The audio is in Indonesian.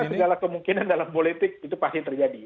saya kira segala kemungkinan dalam politik itu pasti terjadi